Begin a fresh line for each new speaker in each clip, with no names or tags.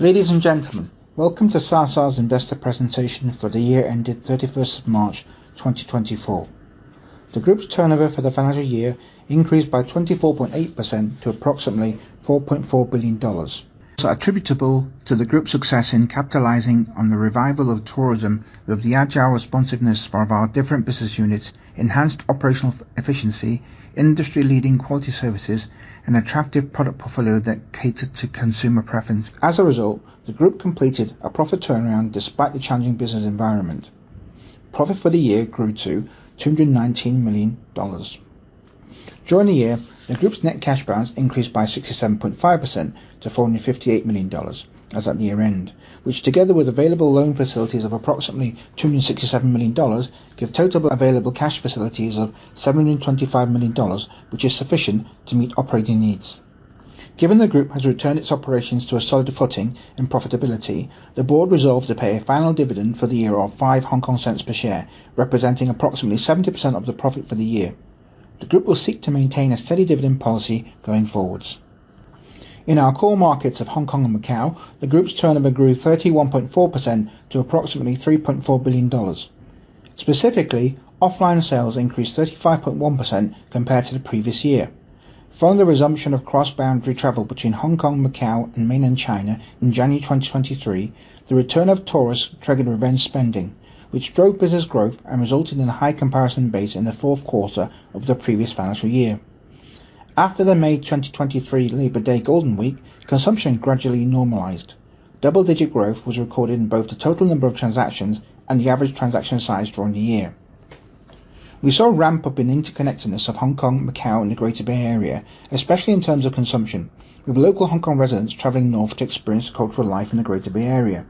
Ladies and gentlemen, welcome to Sa Sa's investor presentation for the year ended 31st March 2024. The group's turnover for the financial year increased by 24.8% to approximately 4.4 billion dollars. It is attributable to the group's success in capitalizing on the revival of tourism, with the agile responsiveness of our different business units, enhanced operational efficiency, industry-leading quality services, and an attractive product portfolio that catered to consumer preference. As a result, the group completed a profit turnaround despite the challenging business environment. Profit for the year grew to 219 million dollars. During the year, the group's net cash balance increased by 67.5% to 458 million dollars as at year-end, which, together with available loan facilities of approximately 267 million dollars, gives total available cash facilities of 725 million dollars, which is sufficient to meet operating needs. Given the group has returned its operations to a solid footing in profitability, the board resolved to pay a final dividend for the year of 0.05 per share, representing approximately 70% of the profit for the year. The group will seek to maintain a steady dividend policy going forward. In our core markets of Hong Kong and Macau, the group's turnover grew 31.4% to approximately 3.4 billion dollars. Specifically, offline sales increased 35.1% compared to the previous year. Following the resumption of cross-boundary travel between Hong Kong, Macau, and Mainland China in January 2023, the return of tourists triggered revenge spending, which drove business growth and resulted in a high comparison base in the fourth quarter of the previous financial year. After the May 2023 Labor Day Golden Week, consumption gradually normalized. Double-digit growth was recorded in both the total number of transactions and the average transaction size during the year. We saw a ramp-up in interconnectedness of Hong Kong, Macau, and the Greater Bay Area, especially in terms of consumption, with local Hong Kong residents traveling north to experience cultural life in the Greater Bay Area.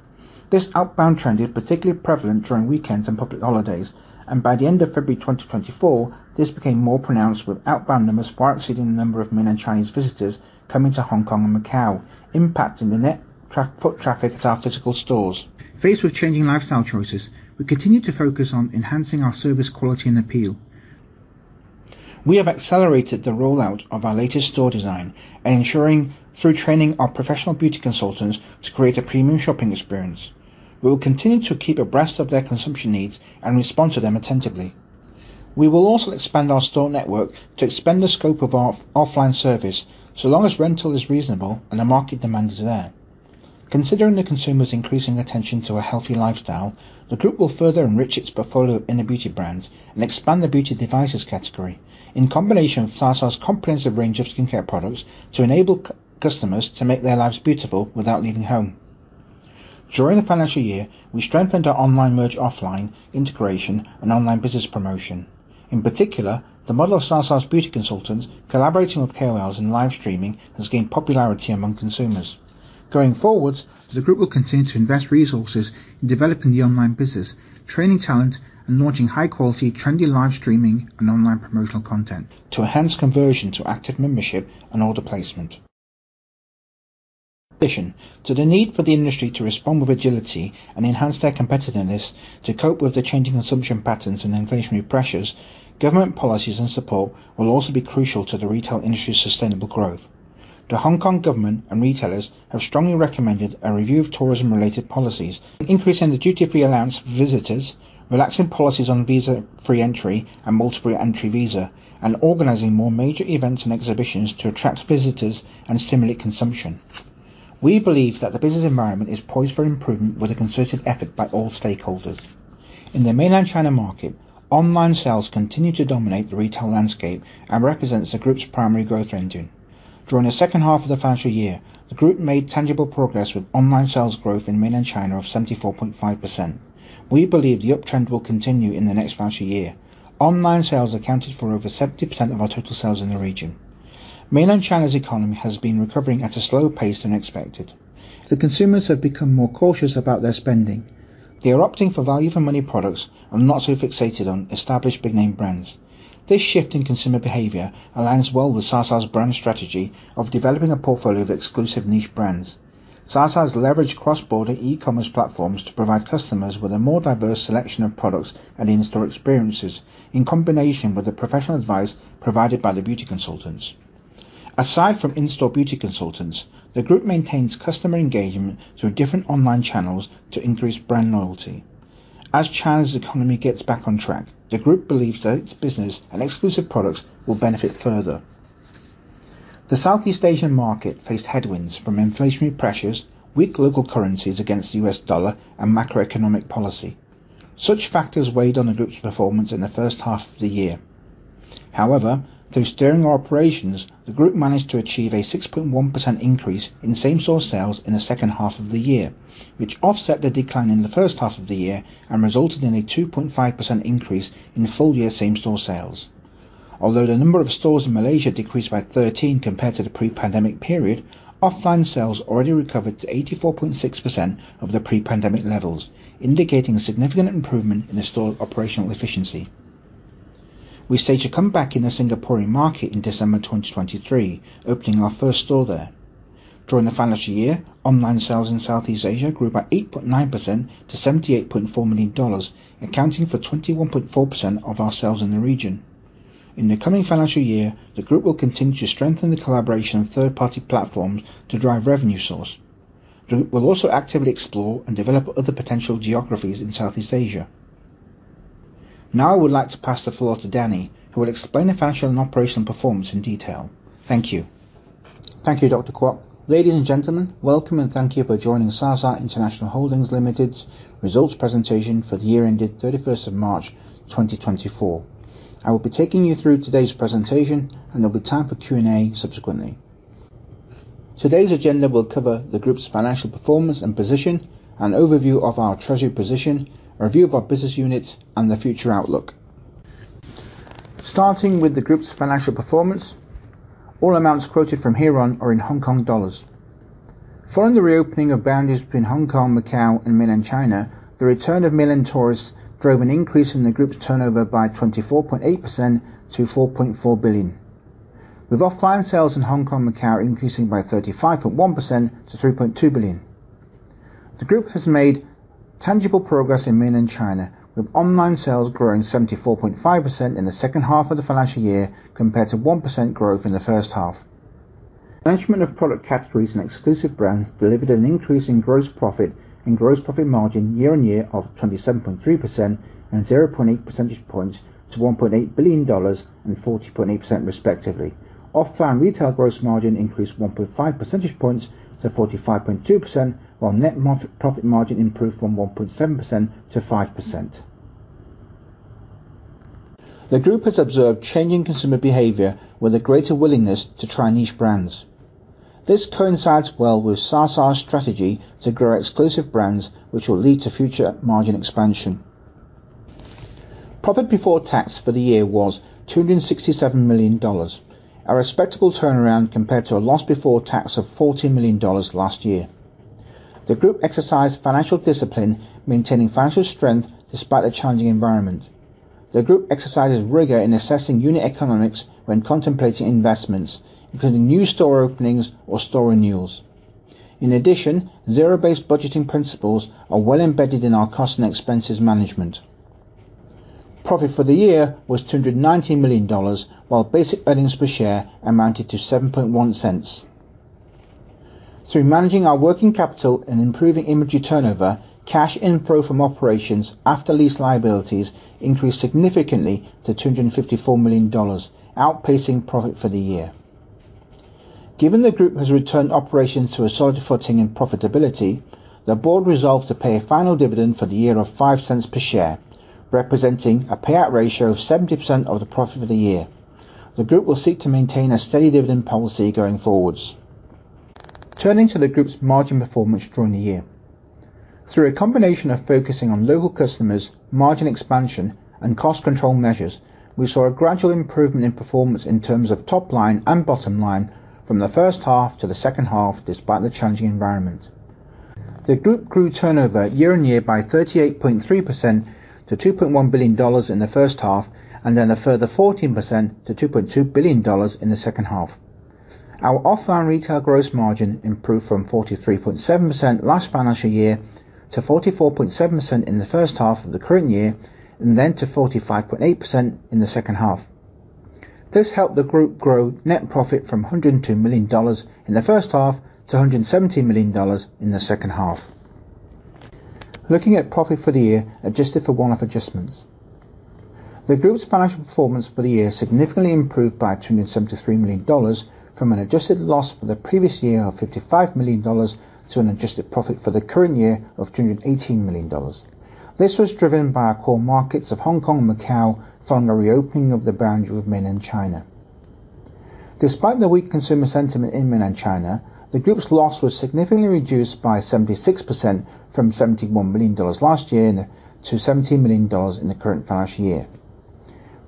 This outbound trend is particularly prevalent during weekends and public holidays, and by the end of February 2024, this became more pronounced, with outbound numbers far exceeding the number of mainland Chinese visitors coming to Hong Kong and Macau, impacting the net foot traffic at our physical stores. Faced with changing lifestyle choices, we continue to focus on enhancing our service quality and appeal. We have accelerated the rollout of our latest store design and ensured, through training our professional beauty consultants, to create a premium shopping experience. We will continue to keep abreast of their consumption needs and respond to them attentively. We will also expand our store network to expand the scope of our offline service, so long as rental is reasonable and the market demand is there. Considering the consumers' increasing attention to a healthy lifestyle, the group will further enrich its portfolio of inner beauty brands and expand the beauty devices category, in combination with Sa Sa's comprehensive range of skincare products to enable customers to make their lives beautiful without leaving home. During the financial year, we strengthened our Online-Merge-Offline integration and online business promotion. In particular, the model of Sa Sa's beauty consultants collaborating with KOLs and live streaming has gained popularity among consumers. Going forward, the group will continue to invest resources in developing the online business, training talent, and launching high-quality, trendy live streaming and online promotional content to enhance conversion to active membership and order placement. In addition to the need for the industry to respond with agility and enhance their competitiveness to cope with the changing consumption patterns and inflationary pressures, government policies and support will also be crucial to the retail industry's sustainable growth. The Hong Kong government and retailers have strongly recommended a review of tourism-related policies, increasing the duty-free allowance for visitors, relaxing policies on visa-free entry and multiple-entry visa, and organizing more major events and exhibitions to attract visitors and stimulate consumption. We believe that the business environment is poised for improvement with a concerted effort by all stakeholders. In the Mainland China market, online sales continue to dominate the retail landscape and represent the group's primary growth engine. During the second half of the financial year, the group made tangible progress with online sales growth in Mainland China of 74.5%. We believe the uptrend will continue in the next financial year. Online sales accounted for over 70% of our total sales in the region. Mainland China's economy has been recovering at a slower pace than expected. The consumers have become more cautious about their spending. They are opting for value-for-money products and are not so fixated on established, big-name brands. This shift in consumer behavior aligns well with Sa Sa's brand strategy of developing a portfolio of exclusive niche brands. Sa Sa has leveraged cross-border e-commerce platforms to provide customers with a more diverse selection of products and in-store experiences, in combination with the professional advice provided by the beauty consultants. Aside from in-store beauty consultants, the group maintains customer engagement through different online channels to increase brand loyalty. As China's economy gets back on track, the group believes that its business and exclusive products will benefit further. The Southeast Asian market faced headwinds from inflationary pressures, weak local currencies against the U.S. dollar, and macroeconomic policy. Such factors weighed on the group's performance in the first half of the year. However, through steering our operations, the group managed to achieve a 6.1% increase in same-store sales in the second half of the year, which offset the decline in the first half of the year and resulted in a 2.5% increase in full-year same-store sales. Although the number of stores in Malaysia decreased by 13 compared to the pre-pandemic period, offline sales already recovered to 84.6% of the pre-pandemic levels, indicating a significant improvement in the store's operational efficiency. We staged a comeback in the Singaporean market in December 2023, opening our first store there. During the financial year, online sales in Southeast Asia grew by 8.9% to 78.4 million dollars, accounting for 21.4% of our sales in the region. In the coming financial year, the group will continue to strengthen the collaboration of third-party platforms to drive revenue source. The group will also actively explore and develop other potential geographies in Southeast Asia. Now I would like to pass the floor to Danny, who will explain the financial and operational performance in detail. Thank you.
Thank you, Dr. Kwok. Ladies and gentlemen, welcome and thank you for joining Sa Sa International Holdings Limited's results presentation for the year ended 31st of March 2024. I will be taking you through today's presentation, and there will be time for Q&A subsequently. Today's agenda will cover the group's financial performance and position, an overview of our treasury position, a review of our business units, and the future outlook. Starting with the group's financial performance, all amounts quoted from here on are in Hong Kong dollars. Following the reopening of boundaries between Hong Kong, Macau, and mainland China, the return of mainland tourists drove an increase in the group's turnover by 24.8% to 4.4 billion, with offline sales in Hong Kong and Macau increasing by 35.1% to 3.2 billion. The group has made tangible progress in Mainland China, with online sales growing 74.5% in the second half of the financial year compared to 1% growth in the first half. Management of product categories and exclusive brands delivered an increase in gross profit and gross profit margin year-on-year of 27.3% and 0.8 percentage points to 1.8 billion dollars and 40.8% respectively. Offline retail gross margin increased 1.5 percentage points to 45.2%, while net profit margin improved from 1.7%-5%. The group has observed changing consumer behavior with a greater willingness to try niche brands. This coincides well with Sa Sa's strategy to grow exclusive brands, which will lead to future margin expansion. Profit before tax for the year was 267 million dollars, a respectable turnaround compared to a loss before tax of 14 million dollars last year. The group exercised financial discipline, maintaining financial strength despite the challenging environment. The group exercises rigor in assessing unit economics when contemplating investments, including new store openings or store renewals. In addition, zero-based budgeting principles are well embedded in our cost and expenses management. Profit for the year was 219 million dollars, while basic earnings per share amounted to 0.07. Through managing our working capital and improving inventory turnover, cash inflow from operations after lease liabilities increased significantly to 254 million dollars, outpacing profit for the year. Given the group has returned operations to a solid footing and profitability, the board resolved to pay a final dividend for the year of 0.05 per share, representing a payout ratio of 70% of the profit for the year. The group will seek to maintain a steady dividend policy going forward. Turning to the group's margin performance during the year. Through a combination of focusing on local customers, margin expansion, and cost control measures, we saw a gradual improvement in performance in terms of top line and bottom line from the first half to the second half despite the challenging environment. The group grew turnover year-on-year by 38.3% to HKD 2.1 billion in the first half, and then a further 14% to HKD 2.2 billion in the second half. Our offline retail gross margin improved from 43.7% last financial year to 44.7% in the first half of the current year, and then to 45.8% in the second half. This helped the group grow net profit from 102 million dollars in the first half to 117 million dollars in the second half. Looking at profit for the year, adjusted for one-off adjustments. The group's financial performance for the year significantly improved by 273 million dollars from an adjusted loss for the previous year of 55 million dollars to an adjusted profit for the current year of 218 million dollars. This was driven by our core markets of Hong Kong and Macau following the reopening of the boundary with mainland China. Despite the weak consumer sentiment in mainland China, the group's loss was significantly reduced by 76% from 71 million dollars last year to 17 million dollars in the current financial year.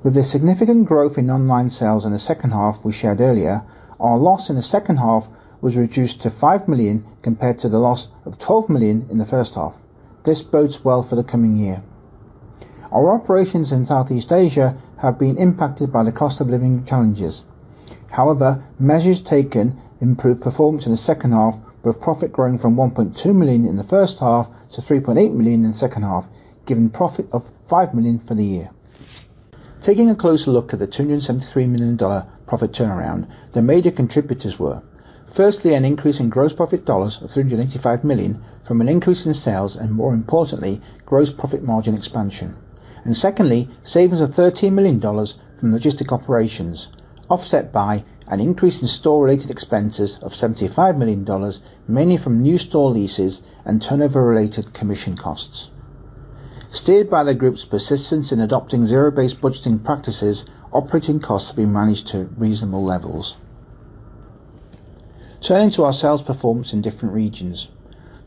With the significant growth in online sales in the second half we shared earlier, our loss in the second half was reduced to 5 million compared to the loss of 12 million in the first half. This bodes well for the coming year. Our operations in Southeast Asia have been impacted by the cost of living challenges. However, measures taken improved performance in the second half, with profit growing from 1.2 million in the first half to 3.8 million in the second half, giving profit of 5 million for the year. Taking a closer look at the 273 million dollar profit turnaround, the major contributors were, firstly, an increase in gross profit dollars of 385 million from an increase in sales and, more importantly, gross profit margin expansion. And secondly, savings of 13 million dollars from logistic operations, offset by an increase in store-related expenses of HKD 75 million, mainly from new store leases and turnover-related commission costs. Steered by the group's persistence in adopting zero-based budgeting practices, operating costs have been managed to reasonable levels. Turning to our sales performance in different regions.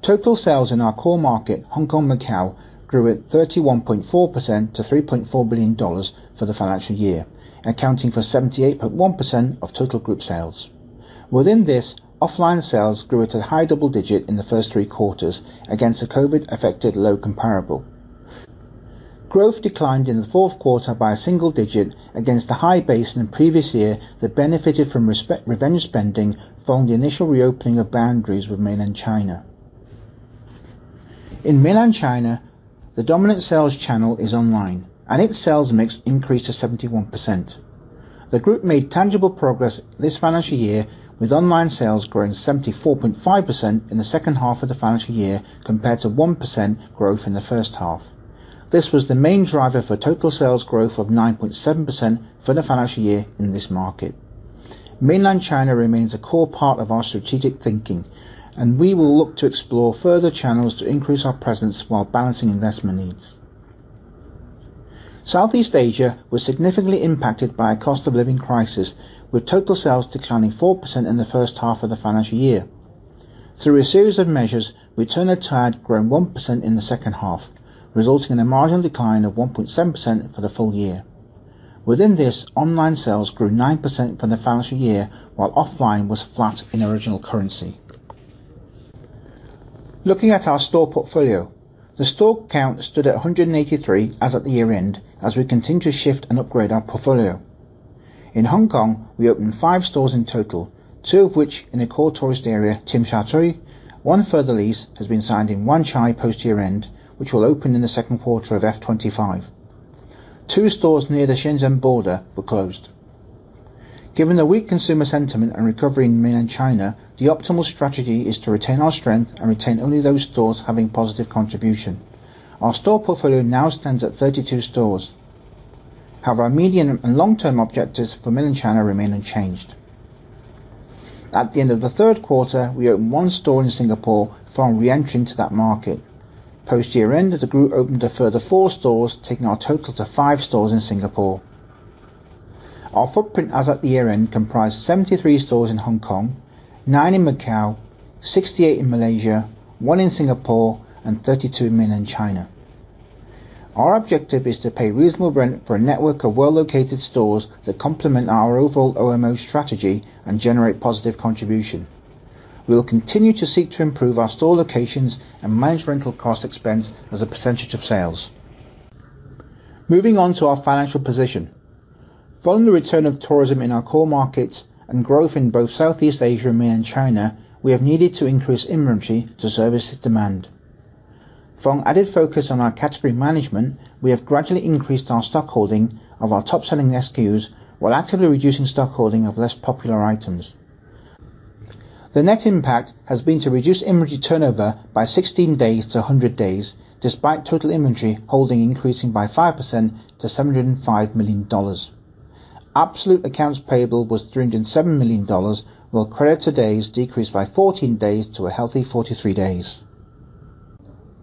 Total sales in our core market, Hong Kong and Macau, grew at 31.4% to 3.4 billion dollars for the financial year, accounting for 78.1% of total group sales. Within this, offline sales grew at a high double digit in the first three quarters against a COVID-affected low comparable. Growth declined in the fourth quarter by a single digit against a high base in the previous year that benefited from revenge spending following the initial reopening of boundaries with Mainland China. In Mainland China, the dominant sales channel is online, and its sales mix increased to 71%. The group made tangible progress this financial year, with online sales growing 74.5% in the second half of the financial year compared to 1% growth in the first half. This was the main driver for total sales growth of 9.7% for the financial year in this market. Mainland China remains a core part of our strategic thinking, and we will look to explore further channels to increase our presence while balancing investment needs. Southeast Asia was significantly impacted by a cost of living crisis, with total sales declining 4% in the first half of the financial year. Through a series of measures, returns had grown 1% in the second half, resulting in a marginal decline of 1.7% for the full year. Within this, online sales grew 9% for the financial year, while offline was flat in original currency. Looking at our store portfolio, the store count stood at 183 as at the year end, as we continue to shift and upgrade our portfolio. In Hong Kong, we opened five stores in total, two of which in the core tourist area, Tsim Sha Tsui. One further lease has been signed in Wan Chai, post year-end, which will open in the second quarter of F2025. Two stores near the Shenzhen border were closed. Given the weak consumer sentiment and recovery in mainland China, the optimal strategy is to retain our strength and retain only those stores having positive contribution. Our store portfolio now stands at 32 stores. However, our medium and long-term objectives for mainland China remain unchanged. At the end of the third quarter, we opened one store in Singapore following re-entry into that market. Post year-end, the group opened a further four stores, taking our total to five stores in Singapore. Our footprint as at the year end comprised 73 stores in Hong Kong, nine in Macau, 68 in Malaysia, one in Singapore, and 32 in mainland China. Our objective is to pay reasonable rent for a network of well-located stores that complement our overall OMO strategy and generate positive contribution. We will continue to seek to improve our store locations and manage rental cost expense as a percentage of sales. Moving on to our financial position. Following the return of tourism in our core markets and growth in both Southeast Asia and mainland China, we have needed to increase inventory to service demand. Following added focus on our category management, we have gradually increased our stock holding of our top-selling SKUs while actively reducing stock holding of less popular items. The net impact has been to reduce inventory turnover by 16 days to 100 days, despite total inventory holding increasing by 5% to 705 million dollars. Absolute accounts payable was 307 million dollars, while creditor days has decreased by 14 days to a healthy 43 days.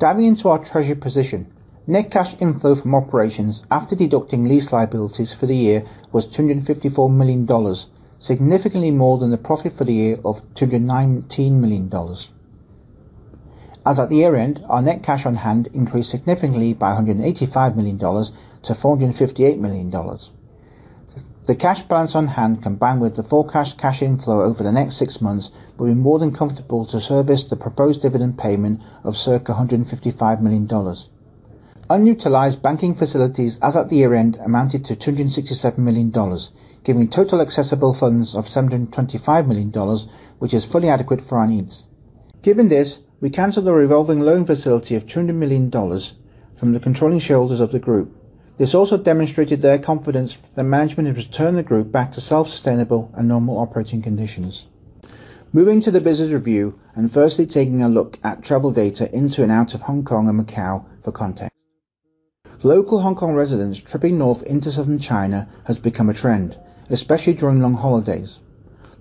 Diving into our treasury position, net cash inflow from operations after deducting lease liabilities for the year was 254 million dollars, significantly more than the profit for the year of 219 million dollars. As at the year end, our net cash on hand increased significantly by 185 million dollars to 458 million dollars. The cash balance on hand, combined with the forecast cash inflow over the next six months, will be more than comfortable to service the proposed dividend payment of circa 155 million dollars. Unutilized banking facilities as at the year end amounted to 267 million dollars, giving total accessible funds of 725 million dollars, which is fully adequate for our needs. Given this, we canceled the revolving loan facility of 200 million dollars from the controlling shareholders of the group. This also demonstrated their confidence that management has returned the group back to self-sustainable and normal operating conditions. Moving to the business review and firstly taking a look at travel data into and out of Hong Kong and Macau for context. Local Hong Kong residents tripping north into Southern China has become a trend, especially during long holidays.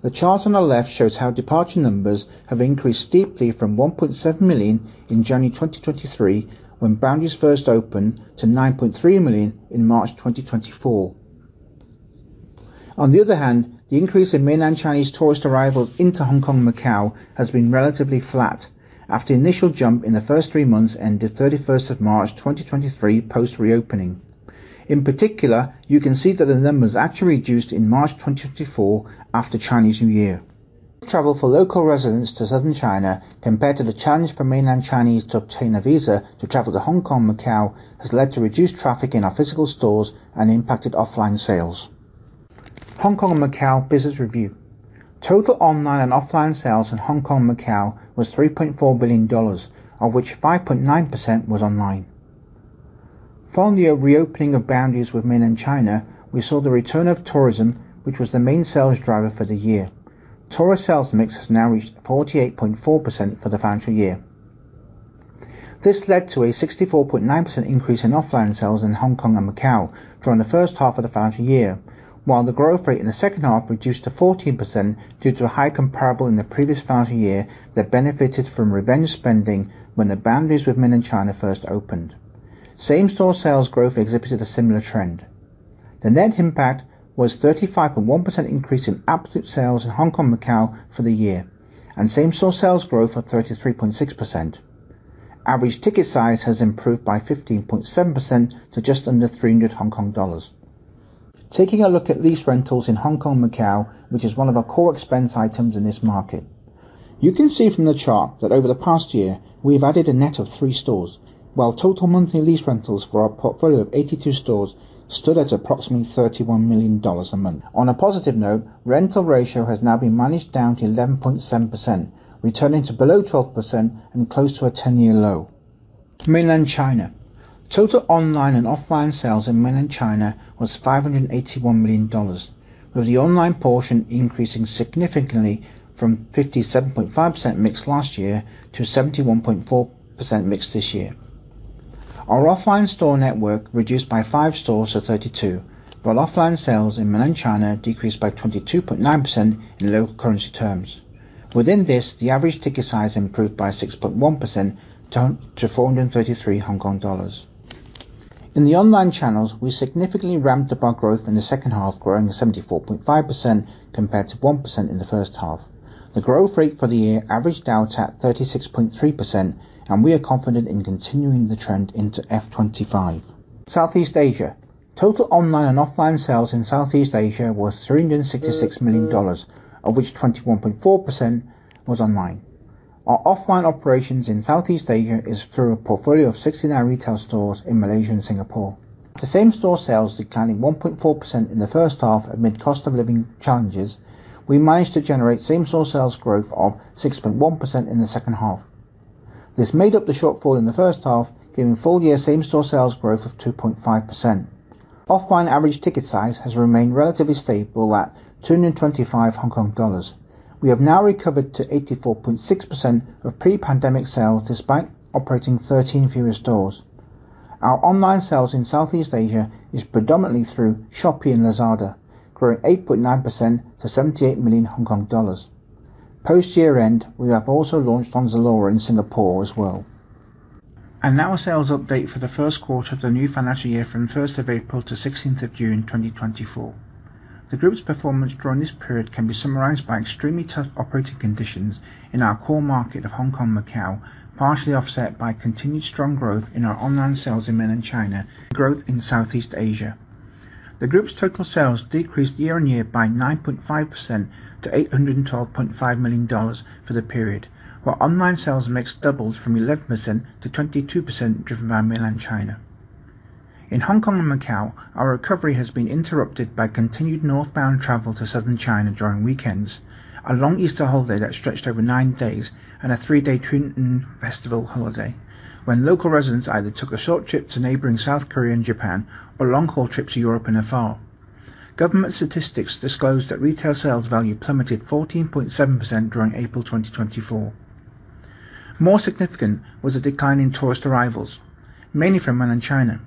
The chart on the left shows how departure numbers have increased steeply from 1.7 million in January 2023 when boundaries first opened to 9.3 million in March 2024. On the other hand, the increase in Mainland Chinese tourist arrivals into Hong Kong and Macau has been relatively flat after the initial jump in the first three months ended 31st of March 2023 post-reopening. In particular, you can see that the numbers actually reduced in March 2024 after Chinese New Year. Travel for local residents to Southern China compared to the challenge for Mainland Chinese to obtain a visa to travel to Hong Kong and Macau has led to reduced traffic in our physical stores and impacted offline sales. Hong Kong and Macau business review. Total online and offline sales in Hong Kong and Macau was 3.4 billion dollars, of which 5.9% was online. Following the reopening of boundaries with Mainland China, we saw the return of tourism, which was the main sales driver for the year. Tourist sales mix has now reached 48.4% for the financial year. This led to a 64.9% increase in offline sales in Hong Kong and Macau during the first half of the financial year, while the growth rate in the second half reduced to 14% due to a high comparable in the previous financial year that benefited from revenge spending when the boundaries with mainland China first opened. Same store sales growth exhibited a similar trend. The net impact was a 35.1% increase in absolute sales in Hong Kong and Macau for the year, and same store sales growth of 33.6%. Average ticket size has improved by 15.7% to just under 300 Hong Kong dollars. Taking a look at lease rentals in Hong Kong and Macau, which is one of our core expense items in this market. You can see from the chart that over the past year, we have added a net of three stores, while total monthly lease rentals for our portfolio of 82 stores stood at approximately 31 million dollars a month. On a positive note, rental ratio has now been managed down to 11.7%, returning to below 12% and close to a 10-year low. Mainland China. Total online and offline sales in mainland China was 581 million dollars, with the online portion increasing significantly from 57.5% mix last year to 71.4% mix this year. Our offline store network reduced by five stores to 32, while offline sales in mainland China decreased by 22.9% in local currency terms. Within this, the average ticket size improved by 6.1% to 433 Hong Kong dollars. In the online channels, we significantly ramped up our growth in the second half, growing 74.5% compared to 1% in the first half. The growth rate for the year averaged out at 36.3%, and we are confident in continuing the trend into F2025. Southeast Asia. Total online and offline sales in Southeast Asia was HKD 366 million, of which 21.4% was online. Our offline operations in Southeast Asia is through a portfolio of 69 retail stores in Malaysia and Singapore. The same store sales declined 1.4% in the first half amid cost of living challenges. We managed to generate same store sales growth of 6.1% in the second half. This made up the shortfall in the first half, giving full-year same store sales growth of 2.5%. Offline average ticket size has remained relatively stable at 225 Hong Kong dollars. We have now recovered to 84.6% of pre-pandemic sales despite operating 13 fewer stores. Our online sales in Southeast Asia is predominantly through Shopee and Lazada, growing 8.9% to 78 million Hong Kong dollars. Post year-end, we have also launched on Zalora in Singapore as well. Now a sales update for the first quarter of the new financial year from 1 April to 16 June 2024. The group's performance during this period can be summarized by extremely tough operating conditions in our core market of Hong Kong and Macau, partially offset by continued strong growth in our online sales in mainland China and growth in Southeast Asia. The group's total sales decreased year-on-year by 9.5% to 812.5 million dollars for the period, while online sales mix doubled from 11%-22% driven by mainland China. In Hong Kong and Macau, our recovery has been interrupted by continued northbound travel to Southern China during weekends, a long Easter holiday that stretched over nine days, and a three-day Tuen Ng Festival holiday, when local residents either took a short trip to neighboring South Korea and Japan or long-haul trips to Europe and afar. Government statistics disclosed that retail sales value plummeted 14.7% during April 2024. More significant was a decline in tourist arrivals, mainly from Mainland China.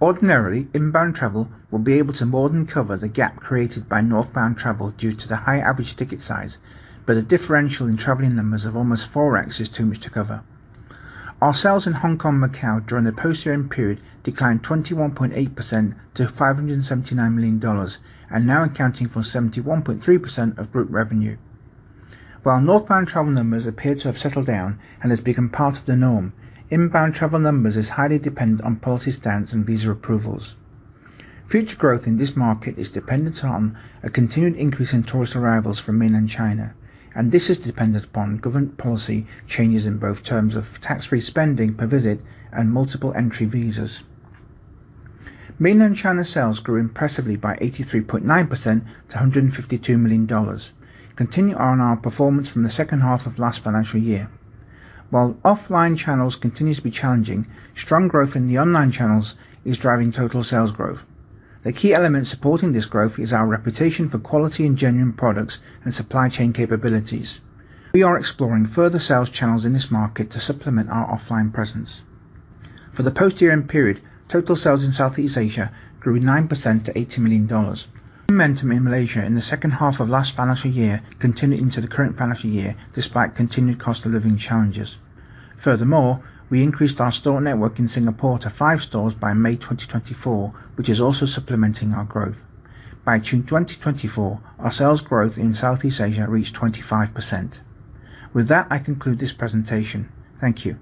Ordinarily, inbound travel would be able to more than cover the gap created by northbound travel due to the high average ticket size, but the differential in traveling numbers of almost 4x is too much to cover. Our sales in Hong Kong and Macau during the post-Easter period declined 21.8% to 579 million dollars, and now accounting for 71.3% of group revenue. While northbound travel numbers appear to have settled down and have become part of the norm, inbound travel numbers are highly dependent on policy stance and visa approvals. Future growth in this market is dependent on a continued increase in tourist arrivals from Mainland China, and this is dependent upon government policy changes in both terms of tax-free spending per visit and multiple entry visas. Mainland China sales grew impressively by 83.9% to 152 million dollars, continuing on our performance from the second half of last financial year. While offline channels continue to be challenging, strong growth in the online channels is driving total sales growth. The key element supporting this growth is our reputation for quality and genuine products and supply chain capabilities. We are exploring further sales channels in this market to supplement our offline presence. For the latter end period, total sales in Southeast Asia grew 9% to $80 million. Momentum in Malaysia in the second half of last financial year continued into the current financial year despite continued cost of living challenges. Furthermore, we increased our store network in Singapore to five stores by May 2024, which is also supplementing our growth. By June 2024, our sales growth in Southeast Asia reached 25%. With that, I conclude this presentation. Thank you.